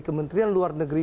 kementerian luar negeri